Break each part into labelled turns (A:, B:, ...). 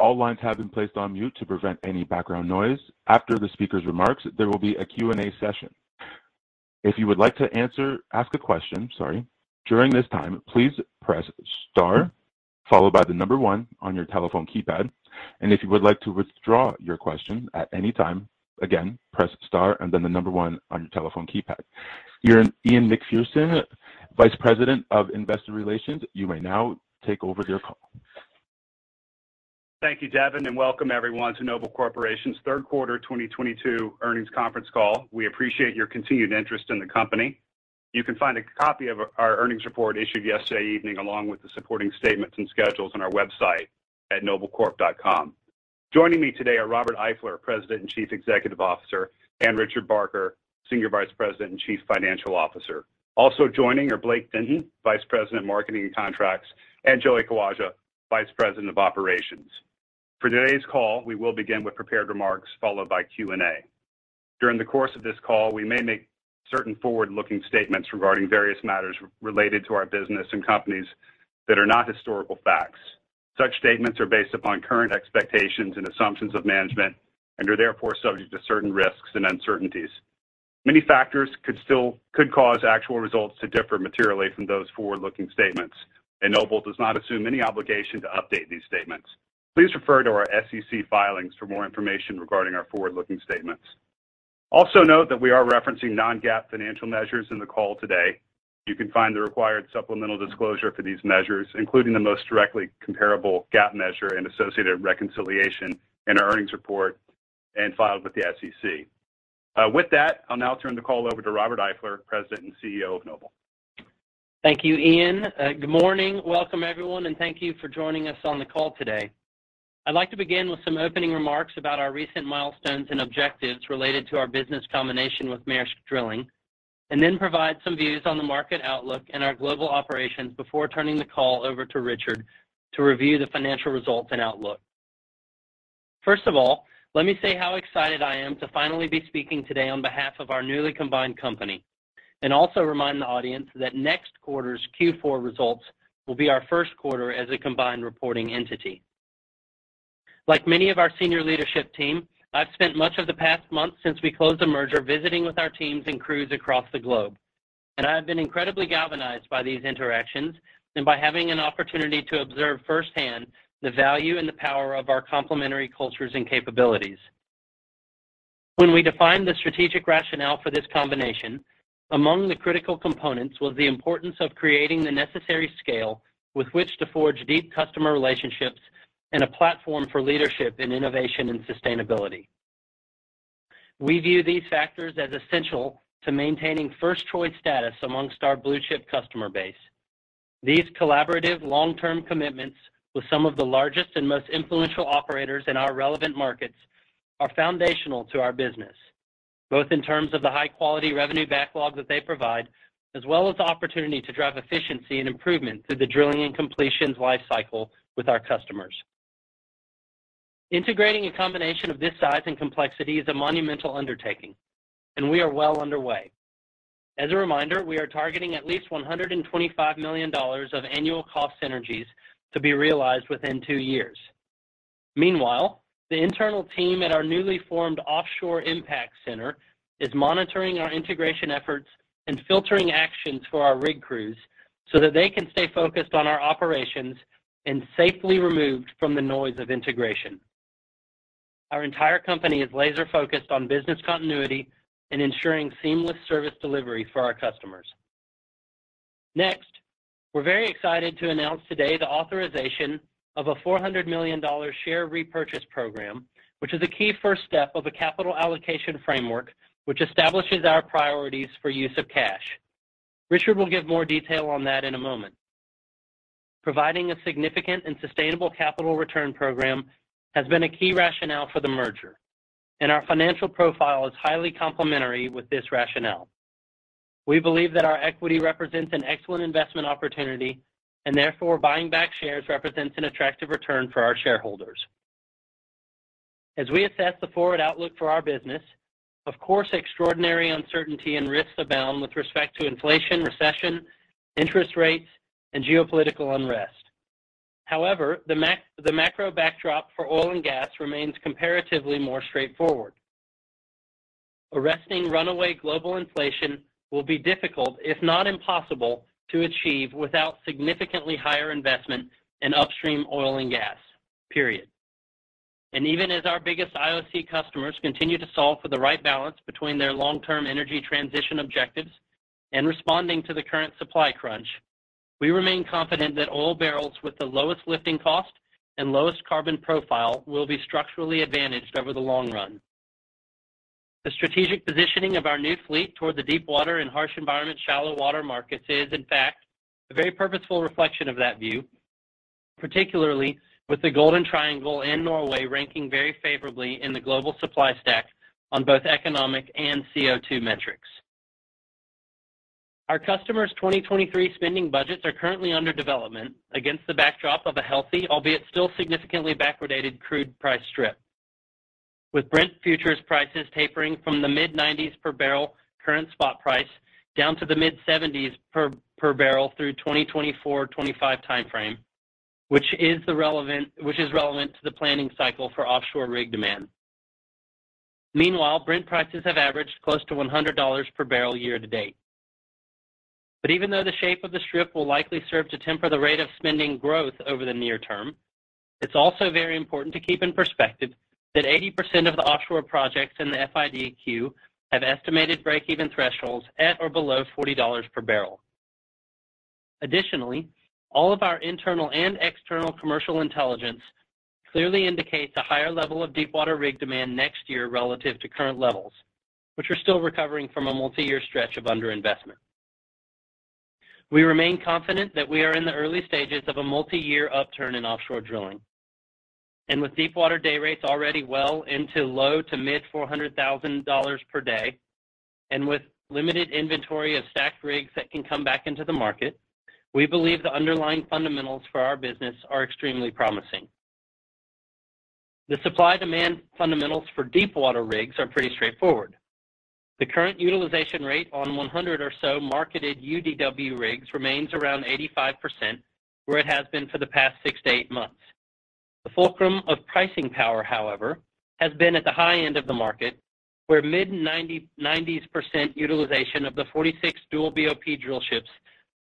A: All lines have been placed on mute to prevent any background noise. After the speaker's remarks, there will be a Q&A session. If you would like to ask a question, during this time, please press star followed by the number one on your telephone keypad. If you would like to withdraw your question at any time, again, press star and then the number one on your telephone keypad. Ian Macpherson, Vice President of Investor Relations, you may now take over your call.
B: Thank you, Devin, and welcome everyone to Noble Corporation's third quarter 2022 earnings conference call. We appreciate your continued interest in the company. You can find a copy of our earnings report issued yesterday evening, along with the supporting statements and schedules on our website at noblecorp.com. Joining me today are Robert Eifler, President and Chief Executive Officer, and Richard Barker, Senior Vice President and Chief Financial Officer. Also joining are Blake Denton, Senior Vice President, Marketing and Contracts, and Joey Kawaja, Senior Vice President of Operations. For today's call, we will begin with prepared remarks, followed by Q&A. During the course of this call, we may make certain forward-looking statements regarding various matters related to our business and companies that are not historical facts. Such statements are based upon current expectations and assumptions of management and are therefore subject to certain risks and uncertainties. Many factors could still cause actual results to differ materially from those forward-looking statements, and Noble does not assume any obligation to update these statements. Please refer to our SEC filings for more information regarding our forward-looking statements. Also note that we are referencing non-GAAP financial measures in the call today. You can find the required supplemental disclosure for these measures, including the most directly comparable GAAP measure and associated reconciliation in our earnings report and filed with the SEC. With that, I'll now turn the call over to Robert Eifler, President and CEO of Noble.
C: Thank you, Ian. Good morning. Welcome, everyone, and thank you for joining us on the call today. I'd like to begin with some opening remarks about our recent milestones and objectives related to our business combination with Maersk Drilling, and then provide some views on the market outlook and our global operations before turning the call over to Richard to review the financial results and outlook. First of all, let me say how excited I am to finally be speaking today on behalf of our newly combined company, and also remind the audience that next quarter's Q4 results will be our first quarter as a combined reporting entity. Like many of our senior leadership team, I've spent much of the past month since we closed the merger, visiting with our teams and crews across the globe. I have been incredibly galvanized by these interactions and by having an opportunity to observe firsthand the value and the power of our complementary cultures and capabilities. When we defined the strategic rationale for this combination, among the critical components was the importance of creating the necessary scale with which to forge deep customer relationships and a platform for leadership in innovation and sustainability. We view these factors as essential to maintaining first-choice status among our blue-chip customer base. These collaborative long-term commitments with some of the largest and most influential operators in our relevant markets are foundational to our business, both in terms of the high-quality revenue backlog that they provide, as well as the opportunity to drive efficiency and improvement through the drilling and completions lifecycle with our customers. Integrating a combination of this size and complexity is a monumental undertaking, and we are well underway. As a reminder, we are targeting at least $125 million of annual cost synergies to be realized within two years. Meanwhile, the internal team at our newly formed Offshore Impact Center is monitoring our integration efforts and filtering actions for our rig crews so that they can stay focused on our operations and safely removed from the noise of integration. Our entire company is laser-focused on business continuity and ensuring seamless service delivery for our customers. Next, we're very excited to announce today the authorization of a $400 million share repurchase program, which is a key first step of a capital allocation framework which establishes our priorities for use of cash. Richard will give more detail on that in a moment. Providing a significant and sustainable capital return program has been a key rationale for the merger, and our financial profile is highly complementary with this rationale. We believe that our equity represents an excellent investment opportunity, and therefore, buying back shares represents an attractive return for our shareholders. As we assess the forward outlook for our business, of course, extraordinary uncertainty and risks abound with respect to inflation, recession, interest rates, and geopolitical unrest. However, the macro backdrop for oil and gas remains comparatively more straightforward. Arresting runaway global inflation will be difficult, if not impossible, to achieve without significantly higher investment in upstream oil and gas, period. Even as our biggest IOC customers continue to solve for the right balance between their long-term energy transition objectives and responding to the current supply crunch, we remain confident that oil barrels with the lowest lifting cost and lowest carbon profile will be structurally advantaged over the long run. The strategic positioning of our new fleet toward the deep water and harsh environment shallow water markets is, in fact, a very purposeful reflection of that view, particularly with the Golden Triangle and Norway ranking very favorably in the global supply stack on both economic and CO2 metrics. Our customers' 2023 spending budgets are currently under development against the backdrop of a healthy, albeit still significantly backwardated crude price strip. With Brent futures prices tapering from the mid-90s per barrel current spot price down to the mid-70s per barrel through 2024-2025 time frame, which is relevant to the planning cycle for offshore rig demand. Meanwhile, Brent prices have averaged close to $100 per barrel year to date. Even though the shape of the strip will likely serve to temper the rate of spending growth over the near term, it's also very important to keep in perspective that 80% of the offshore projects in the FID queue have estimated breakeven thresholds at or below $40 per barrel. Additionally, all of our internal and external commercial intelligence clearly indicates a higher level of deepwater rig demand next year relative to current levels, which are still recovering from a multi-year stretch of underinvestment. We remain confident that we are in the early stages of a multi-year upturn in offshore drilling. With deepwater day rates already well into low to mid-$400,000-$450,000 per day, and with limited inventory of stacked rigs that can come back into the market, we believe the underlying fundamentals for our business are extremely promising. The supply-demand fundamentals for deepwater rigs are pretty straightforward. The current utilization rate on 100 or so marketed UDW rigs remains around 85%, where it has been for the past six-eight months. The fulcrum of pricing power, however, has been at the high end of the market, where mid-90s% utilization of the 46 dual BOP drillships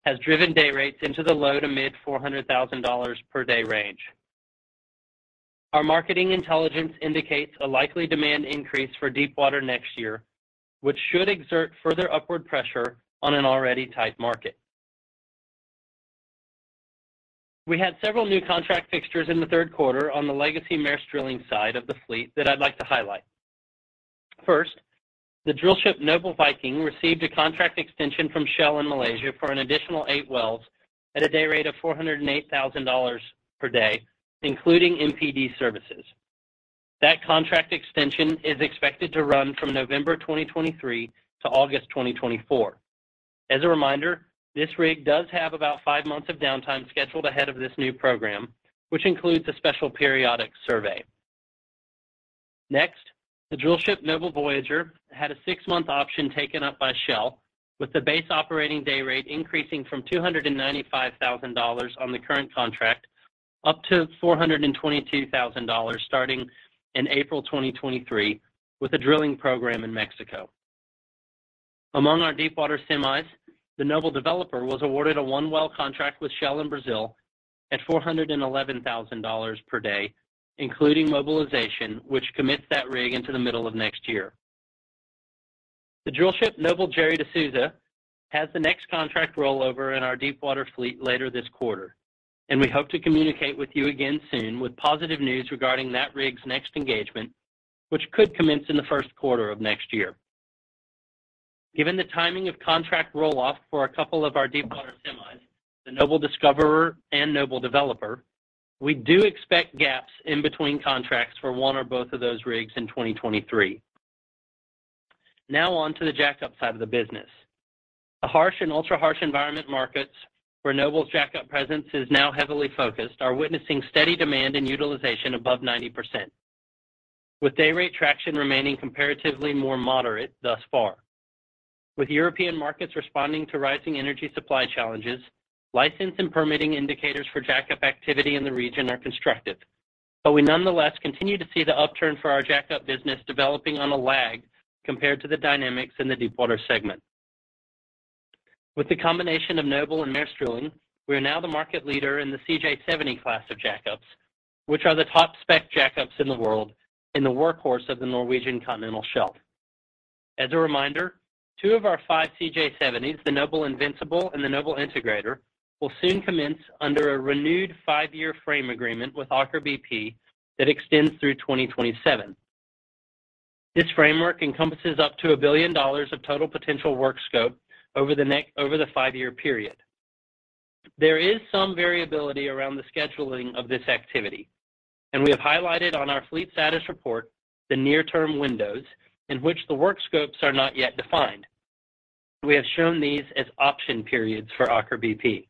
C: has driven day rates into the low to mid-$400,000 per day range. Our marketing intelligence indicates a likely demand increase for deepwater next year, which should exert further upward pressure on an already tight market. We had several new contract fixtures in the third quarter on the legacy Maersk Drilling side of the fleet that I'd like to highlight. First, the drillship Noble Viking received a contract extension from Shell in Malaysia for an additional eight wells at a day rate of $408,000 per day, including MPD services. That contract extension is expected to run from November 2023 to August 2024. As a reminder, this rig does have about five months of downtime scheduled ahead of this new program, which includes a special periodic survey. Next, the drillship Noble Voyager had a six month option taken up by Shell with the base operating day rate increasing from $295,000 on the current contract up to $422,000 starting in April 2023 with a drilling program in Mexico. Among our deepwater semis, the Noble Developer was awarded a one well contract with Shell in Brazil at $411,000 per day, including mobilization, which commits that rig into the middle of next year. The drillship Noble Gerry de Souza has the next contract rollover in our deepwater fleet later this quarter, and we hope to communicate with you again soon with positive news regarding that rig's next engagement, which could commence in the first quarter of next year. Given the timing of contract roll-off for a couple of our deepwater semis, the Noble Discoverer and Noble Developer, we do expect gaps in between contracts for one or both of those rigs in 2023. Now on to the jack-up side of the business. The harsh and ultra-harsh environment markets where Noble's jack-up presence is now heavily focused are witnessing steady demand and utilization above 90%, with day rate traction remaining comparatively more moderate thus far. With European markets responding to rising energy supply challenges, license and permitting indicators for jack-up activity in the region are constructive, but we nonetheless continue to see the upturn for our jack-up business developing on a lag compared to the dynamics in the deepwater segment. With the combination of Noble and Maersk Drilling, we are now the market leader in the CJ70 class of jack-ups, which are the top-spec jack-ups in the world and the workhorse of the Norwegian Continental Shelf. As a reminder, two of our five CJ70s, the Noble Invincible and the Noble Integrator, will soon commence under a renewed five-year frame agreement with Aker BP that extends through 2027. This framework encompasses up to $1 billion of total potential work scope over the five-year period. There is some variability around the scheduling of this activity, and we have highlighted on our fleet status report the near-term windows in which the work scopes are not yet defined. We have shown these as option periods for Aker BP.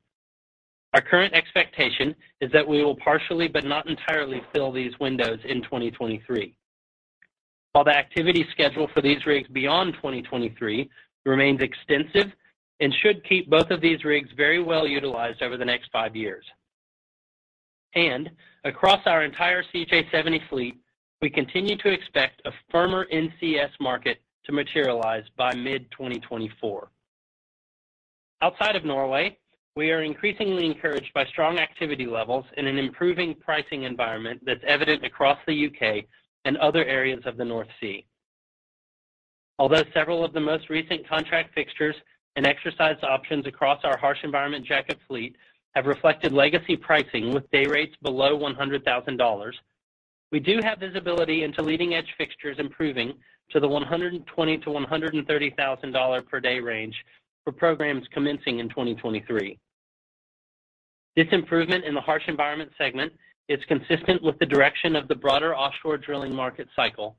C: Our current expectation is that we will partially but not entirely fill these windows in 2023. While the activity schedule for these rigs beyond 2023 remains extensive and should keep both of these rigs very well-utilized over the next five years. Across our entire CJ70 fleet, we continue to expect a firmer NCS market to materialize by mid-2024. Outside of Norway, we are increasingly encouraged by strong activity levels in an improving pricing environment that's evident across the U.K. and other areas of the North Sea. Although several of the most recent contract fixtures and exercise options across our harsh environment jack-up fleet have reflected legacy pricing with day rates below $100,000, we do have visibility into leading-edge fixtures improving to the $120,000-$130,000 per day range for programs commencing in 2023. This improvement in the harsh environment segment is consistent with the direction of the broader offshore drilling market cycle,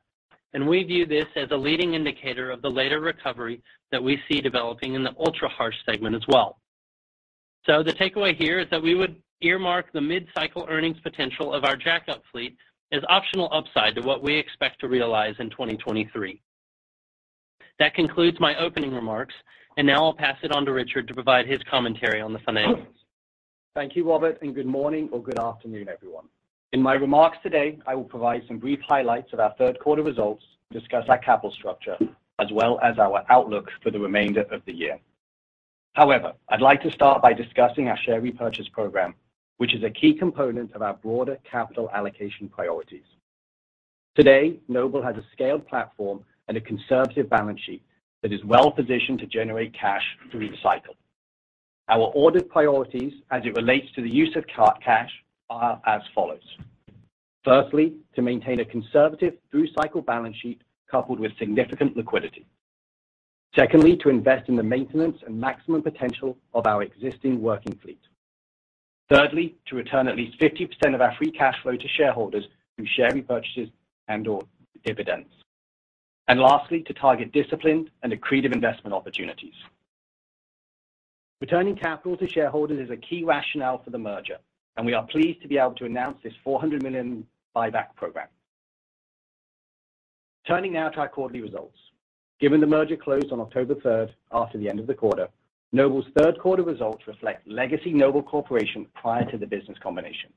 C: and we view this as a leading indicator of the later recovery that we see developing in the ultra-harsh segment as well. The takeaway here is that we would earmark the mid-cycle earnings potential of our jack-up fleet as optional upside to what we expect to realize in 2023. That concludes my opening remarks, and now I'll pass it on to Richard to provide his commentary on the financials.
D: Thank you, Robert, and good morning or good afternoon, everyone. In my remarks today, I will provide some brief highlights of our third quarter results, discuss our capital structure, as well as our outlook for the remainder of the year. However, I'd like to start by discussing our share repurchase program, which is a key component of our broader capital allocation priorities. Today, Noble has a scaled platform and a conservative balance sheet that is well-positioned to generate cash through each cycle. Our ordered priorities as it relates to the use of cash are as follows. Firstly, to maintain a conservative through-cycle balance sheet coupled with significant liquidity. Secondly, to invest in the maintenance and maximum potential of our existing working fleet. Thirdly, to return at least 50% of our free cash flow to shareholders through share repurchases and/or dividends. Lastly, to target disciplined and accretive investment opportunities. Returning capital to shareholders is a key rationale for the merger, and we are pleased to be able to announce this $400 million buyback program. Turning now to our quarterly results. Given the merger closed on October 3, after the end of the quarter, Noble's third quarter results reflect legacy Noble Corporation prior to the business combination.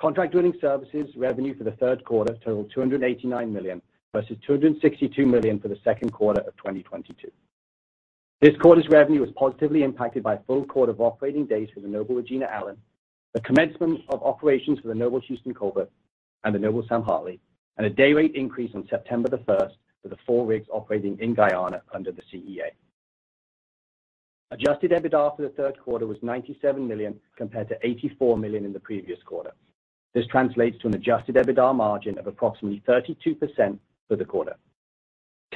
D: Contract drilling services revenue for the third quarter totaled $289 million, versus $262 million for the second quarter of 2022. This quarter's revenue was positively impacted by a full quarter of operating days for the Noble Regina Allen, the commencement of operations for the Noble Houston Colbert and the Noble Sam Hartley, and a day rate increase on September 1 for the four rigs operating in Guyana under the CEA. Adjusted EBITDA for the third quarter was $97 million, compared to $84 million in the previous quarter. This translates to an adjusted EBITDA margin of approximately 32% for the quarter.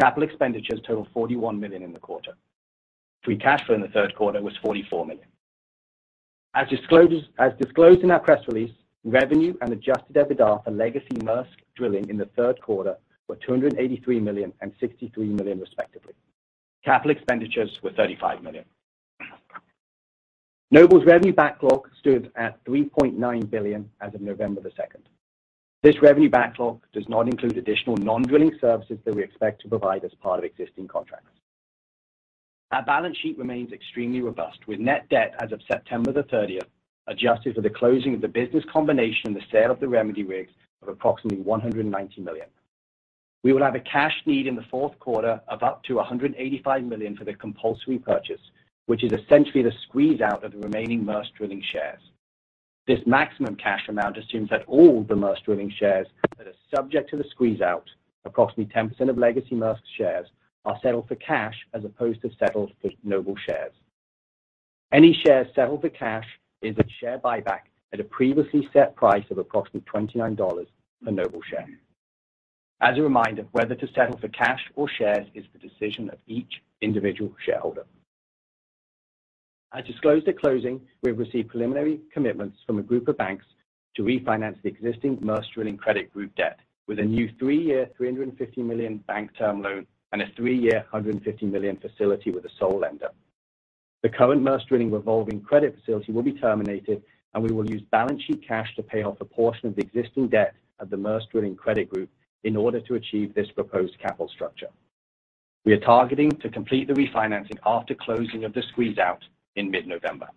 D: Capital expenditures totaled $41 million in the quarter. Free cash flow in the third quarter was $44 million. As disclosed in our press release, revenue and adjusted EBITDA for legacy Maersk Drilling in the third quarter were $283 million and $63 million respectively. Capital expenditures were $35 million. Noble's revenue backlog stood at $3.9 billion as of November 2. This revenue backlog does not include additional non-drilling services that we expect to provide as part of existing contracts. Our balance sheet remains extremely robust, with net debt as of September 30 adjusted for the closing of the business combination and the sale of the remedy rigs of approximately $190 million. We will have a cash need in the fourth quarter of up to $185 million for the compulsory purchase, which is essentially the squeeze-out of the remaining Maersk Drilling shares. This maximum cash amount assumes that all the Maersk Drilling shares that are subject to the squeeze-out, approximately 10% of legacy Maersk shares, are settled for cash as opposed to settled for Noble shares. Any shares settled for cash is a share buyback at a previously set price of approximately $29 per Noble share. As a reminder, whether to settle for cash or shares is the decision of each individual shareholder. As disclosed at closing, we have received preliminary commitments from a group of banks to refinance the existing Maersk Drilling credit group debt with a new three-year $350 million bank term loan and a three-year $150 million facility with a sole lender. The current Maersk Drilling revolving credit facility will be terminated, and we will use balance sheet cash to pay off a portion of the existing debt of the Maersk Drilling credit group in order to achieve this proposed capital structure. We are targeting to complete the refinancing after closing of the squeeze-out in mid-November.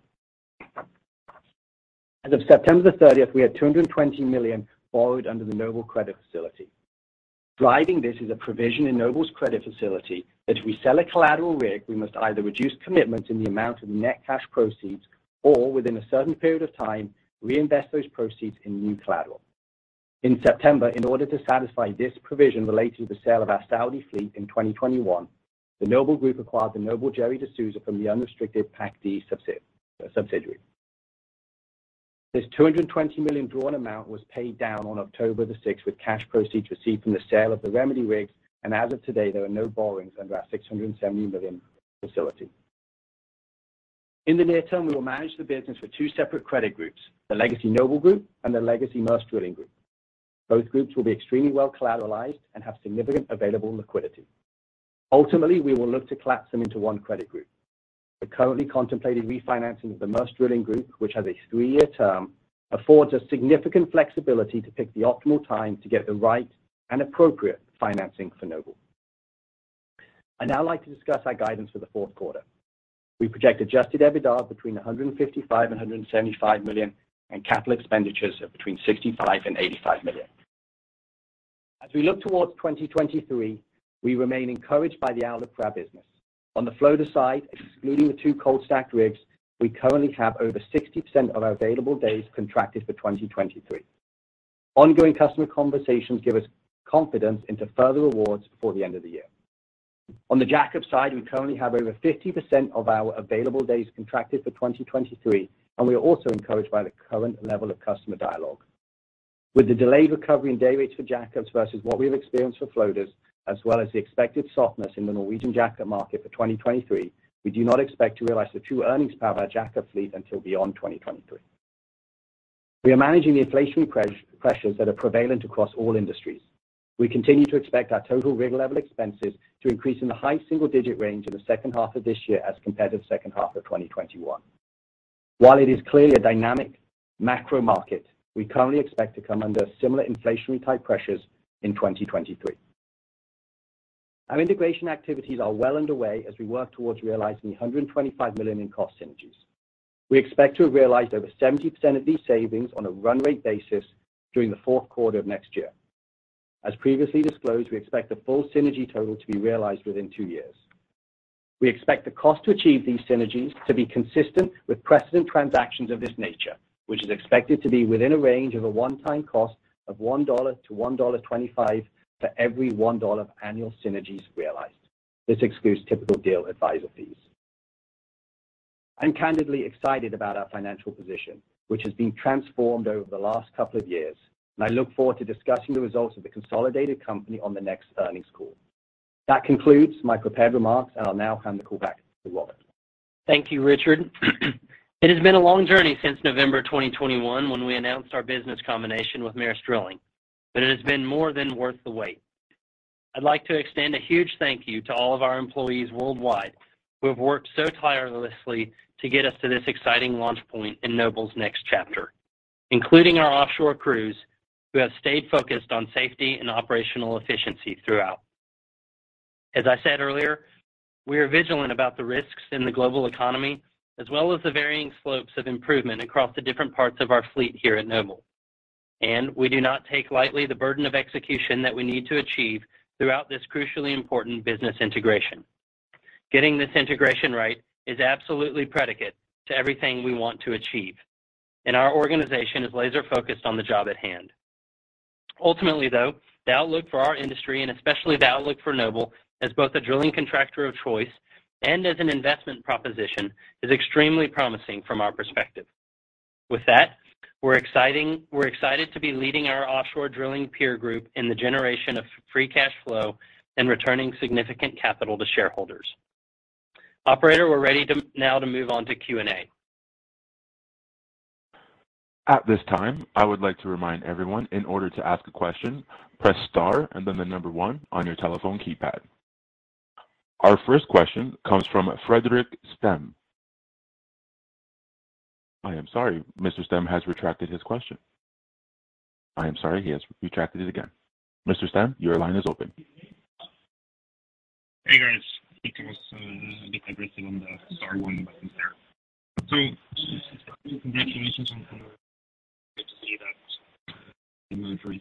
D: As of September 30, we had $220 million borrowed under the Noble credit facility. Driving this is a provision in Noble's credit facility that if we sell a collateral rig, we must either reduce commitments in the amount of the net cash proceeds or, within a certain period of time, reinvest those proceeds in new collateral. In September, in order to satisfy this provision relating to the sale of our Saudi fleet in 2021, the Noble Group acquired the Noble Gerry de Souza from the unrestricted Pacific Drilling subsidiary. This $220 million drawn amount was paid down on October 6 with cash proceeds received from the sale of the remedy rigs, and as of today, there are no borrowings under our $670 million facility. In the near term, we will manage the business with two separate credit groups, the legacy Noble Group and the legacy Maersk Drilling Group. Both groups will be extremely well collateralized and have significant available liquidity. Ultimately, we will look to collapse them into one credit group. The currently contemplated refinancing of the Maersk Drilling Group, which has a three-year term, affords us significant flexibility to pick the optimal time to get the right and appropriate financing for Noble. I'd now like to discuss our guidance for the fourth quarter. We project adjusted EBITDA between $155 million and $175 million, and capital expenditures of between $65 million and $85 million. As we look towards 2023, we remain encouraged by the outlook for our business. On the floater side, excluding the two cold stacked rigs, we currently have over 60% of our available days contracted for 2023. Ongoing customer conversations give us confidence into further awards before the end of the year. On the jack-up side, we currently have over 50% of our available days contracted for 2023, and we are also encouraged by the current level of customer dialogue. With the delayed recovery in day rates for jack-ups versus what we have experienced for floaters, as well as the expected softness in the Norwegian jack-up market for 2023, we do not expect to realize the true earnings power of our jack-up fleet until beyond 2023. We are managing the inflationary pressures that are prevalent across all industries. We continue to expect our total rig-level expenses to increase in the high single-digit range in the second half of this year as compared to the second half of 2021. While it is clearly a dynamic macro market, we currently expect to come under similar inflationary type pressures in 2023. Our integration activities are well underway as we work towards realizing $125 million in cost synergies. We expect to have realized over 70% of these savings on a run rate basis during the fourth quarter of next year. As previously disclosed, we expect the full synergy total to be realized within two years. We expect the cost to achieve these synergies to be consistent with precedent transactions of this nature, which is expected to be within a range of a one-time cost of $1-$1.25 for every $1 of annual synergies realized. This excludes typical deal advisor fees. I'm candidly excited about our financial position, which has been transformed over the last couple of years, and I look forward to discussing the results of the consolidated company on the next earnings call. That concludes my prepared remarks, and I'll now hand the call back to Robert.
C: Thank you, Richard. It has been a long journey since November 2021 when we announced our business combination with Maersk Drilling, but it has been more than worth the wait. I'd like to extend a huge thank you to all of our employees worldwide who have worked so tirelessly to get us to this exciting launch point in Noble's next chapter, including our offshore crews who have stayed focused on safety and operational efficiency throughout. As I said earlier, we are vigilant about the risks in the global economy, as well as the varying slopes of improvement across the different parts of our fleet here at Noble. We do not take lightly the burden of execution that we need to achieve throughout this crucially important business integration. Getting this integration right is absolutely prerequisite to everything we want to achieve, and our organization is laser-focused on the job at hand. Ultimately, though, the outlook for our industry, and especially the outlook for Noble as both a drilling contractor of choice and as an investment proposition is extremely promising from our perspective. With that, we're excited to be leading our offshore drilling peer group in the generation of free cash flow and returning significant capital to shareholders. Operator, we're ready now to move on to Q&A.
A: At this time, I would like to remind everyone in order to ask a question, press star and then the number one on your telephone keypad. Our first question comes from Fredrik Stene. I am sorry, Mr. Stene has retracted his question. I am sorry, he has retracted it again. Mr. Stene, your line is open.
E: Hey, guys. I think I was a bit aggressive on the star one button there. Congratulations. Good to see that the merger is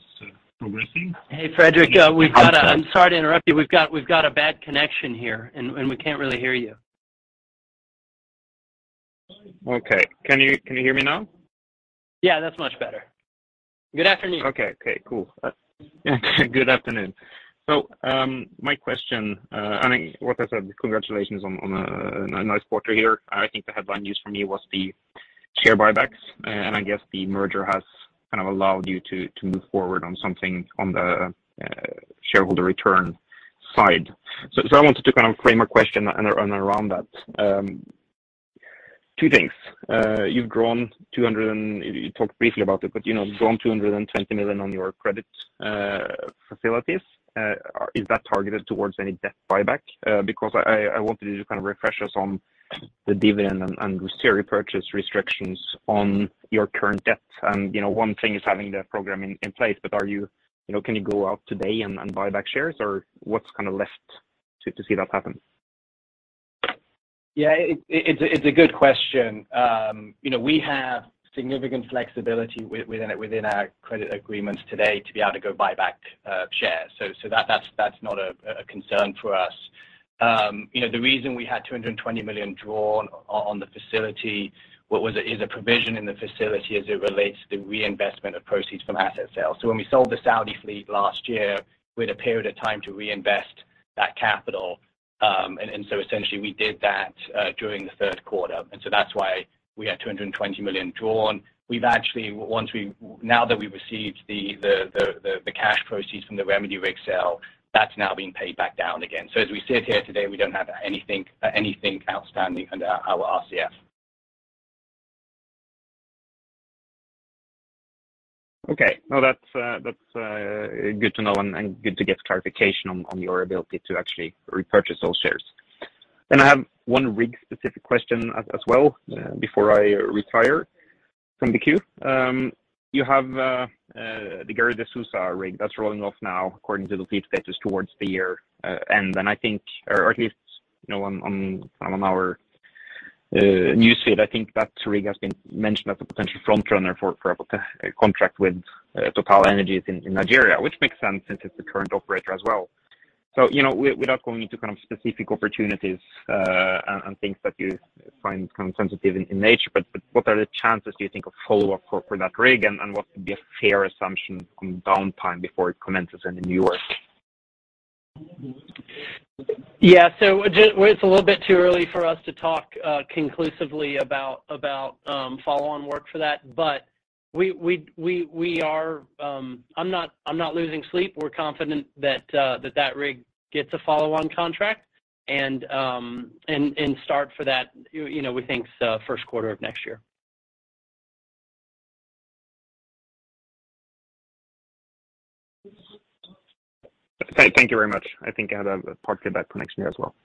E: progressing.
C: Hey, Fredrik. I'm sorry to interrupt you. We've got a bad connection here and we can't really hear you.
E: Okay. Can you hear me now?
C: Yeah, that's much better. Good afternoon.
E: Okay. Cool. Yeah, good afternoon. My question, I mean, what I said, congratulations on a nice quarter here. I think the headline news for me was the share buybacks. I guess the merger has kind of allowed you to move forward on something on the shareholder return side. I wanted to kind of frame a question around that. Two things. You talked briefly about it, but, you know, drawn $220 million on your credit facilities. Is that targeted towards any debt buyback? Because I want you to just kind of refresh us on the dividend and share repurchase restrictions on your current debt. You know, one thing is having the program in place, but are you know, can you go out today and buy back shares or what's kinda left to see that happen?
D: Yeah. It's a good question. You know, we have significant flexibility within our credit agreements today to be able to go buy back shares. So that's not a concern for us. You know, the reason we had $220 million drawn on the facility is a provision in the facility as it relates to reinvestment of proceeds from asset sales. So when we sold the Saudi fleet last year, we had a period of time to reinvest that capital, and so essentially we did that during the third quarter. That's why we had $220 million drawn. Now that we've received the cash proceeds from the Remedy rig sale, that's now being paid back down again. As we sit here today, we don't have anything outstanding under our RCF.
E: Okay. No, that's good to know and good to get clarification on your ability to actually repurchase those shares. I have one rig-specific question as well before I retire from the queue. You have the Noble Gerry de Souza rig that's rolling off now according to the fleet status towards the year end. I think, or at least, you know, on our newsfeed, I think that rig has been mentioned as a potential front runner for a contract with TotalEnergies in Nigeria, which makes sense since it's the current operator as well. You know, without going into kind of specific opportunities, and things that you find kind of sensitive in nature, but what are the chances do you think of follow-up for that rig, and what would be a fair assumption on downtime before it commences any new work?
C: It's a little bit too early for us to talk conclusively about follow-on work for that. We are. I'm not losing sleep. We're confident that that rig gets a follow-on contract.
F: You know, we think it's first quarter of next year.
E: Thank you very much. I think I had a part of that for next year as well.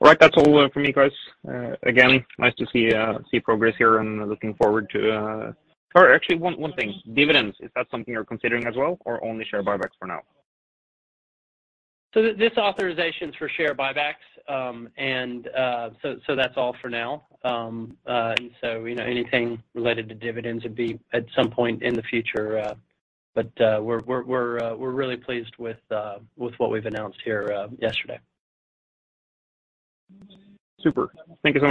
E: All right, that's all from me, guys. Again, nice to see progress here and looking forward to. Sorry, actually one thing. Dividends, is that something you're considering as well, or only share buybacks for now?
D: This authorization's for share buybacks. That's all for now. You know, anything related to dividends would be at some point in the future. We're really pleased with what we've announced here yesterday.
E: Super. Thank you so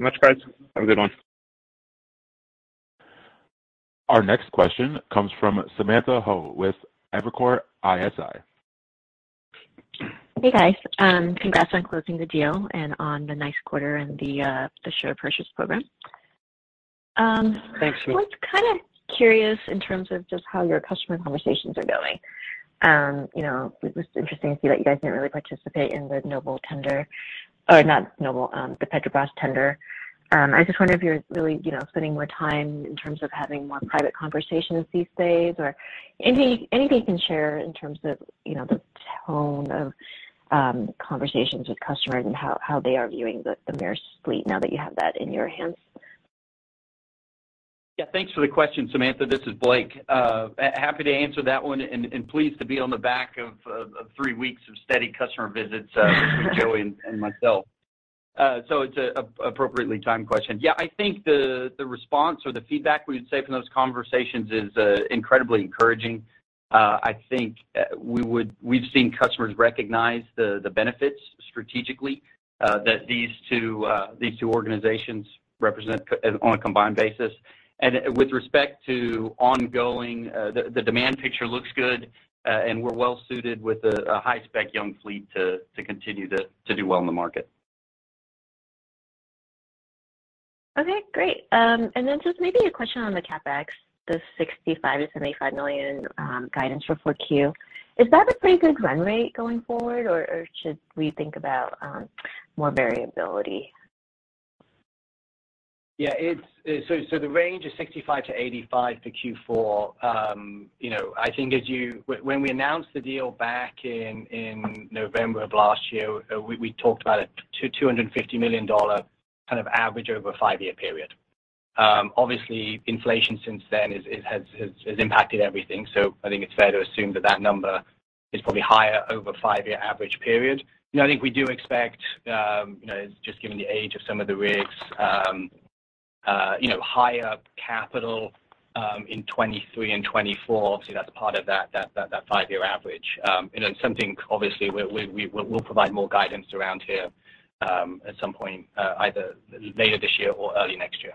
E: much, guys. Have a good one.
A: Our next question comes from Samantha Ho with Evercore ISI.
G: Hey, guys. Congrats on closing the deal and on the nice quarter and the share purchase program.
F: Thanks.
G: I was kinda curious in terms of just how your customer conversations are going. You know, it was interesting to see that you guys didn't really participate in the Noble tender. Or not Noble, the Petrobras tender. I just wonder if you're really, you know, spending more time in terms of having more private conversations these days or anything you can share in terms of, you know, the tone of conversations with customers and how they are viewing the Maersk's fleet now that you have that in your hands.
F: Yeah. Thanks for the question, Samantha. This is Blake. Happy to answer that one and pleased to be on the back of three weeks of steady customer visits between Joey and myself. So it's an appropriately timed question. Yeah. I think the response or the feedback we would say from those conversations is incredibly encouraging. I think we've seen customers recognize the benefits strategically that these two organizations represent on a combined basis. With respect to ongoing, the demand picture looks good and we're well suited with a high-spec young fleet to continue to do well in the market.
G: Okay, great. Then just maybe a question on the CapEx, the $65 million-$75 million guidance for Q4. Is that a pretty good run rate going forward, or should we think about more variability?
D: Yeah. It's the range of 65-85 for Q4, you know, I think as you when we announced the deal back in November of last year, we talked about a $250 million kind of average over a five-year period. Obviously, inflation since then has impacted everything. I think it's fair to assume that that number is probably higher over a five-year average period. You know, I think we do expect, you know, just given the age of some of the rigs, you know, higher capital in 2023 and 2024. Obviously, that's part of that five-year average. You know, something obviously we'll provide more guidance around here at some point, either later this year or early next year.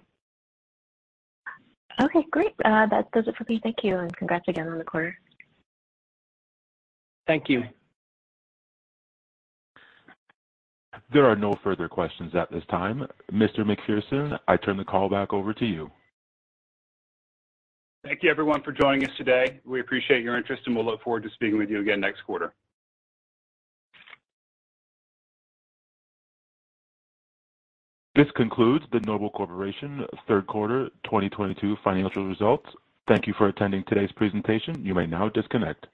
G: Okay, great. That does it for me. Thank you, and congrats again on the quarter.
F: Thank you.
A: There are no further questions at this time. Mr. Macpherson, I turn the call back over to you.
B: Thank you everyone for joining us today. We appreciate your interest, and we'll look forward to speaking with you again next quarter.
A: This concludes the Noble Corporation third quarter 2022 financial results. Thank you for attending today's presentation. You may now disconnect.